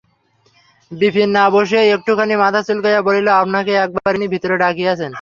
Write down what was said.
বিপিন না বসিয়াই একটুখানি মাথা চুলকাইয়া বলিল, আপনাকে এক বার ইনি ভিতরে ডাকিতেছেন।